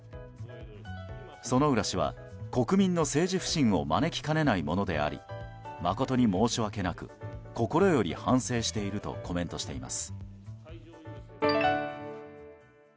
薗浦氏は、国民の政治不信を招きかねないものであり誠に申し訳なく心より反省しているとコメントしています。